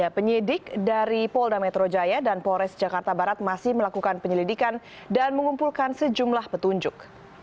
penyidik dari polda metro jaya dan polres jakarta barat masih melakukan penyelidikan dan mengumpulkan sejumlah petunjuk